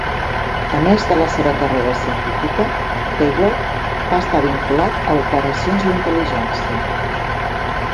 A més de la seva carrera científica, Taylor va estar vinculat a operacions d'intel·ligència.